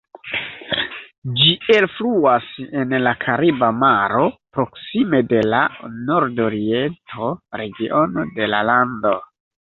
Ĝi elfluas en la Kariba Maro, proksime de la nordoriento regiono de la lando.